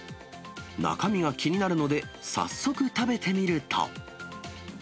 中身が気になるので、早速食べてみると。